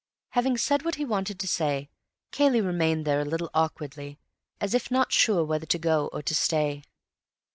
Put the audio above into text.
Having said what he wanted to say, Cayley remained there a little awkwardly, as if not sure whether to go or to stay.